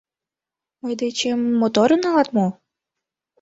Мый дечем моторым налат мо?